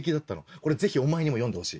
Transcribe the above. これぜひお前にも読んでほしい。